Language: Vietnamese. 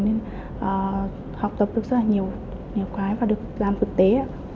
nên học tập được rất là nhiều cái và được làm thực tế